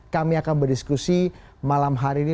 kami akan berdiskusi malam hari ini